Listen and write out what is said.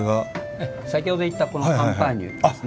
先ほど言ったこのカンパーニュですね。